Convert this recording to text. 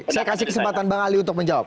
saya kasih kesempatan bang ali untuk menjawab